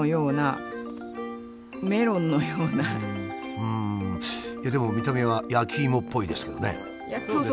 うんでも見た目は焼き芋っぽいですけどね。